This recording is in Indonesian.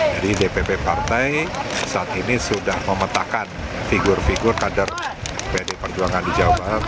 jadi dpp partai saat ini sudah memetakkan figur figur kader pd perjuangan di jawa barat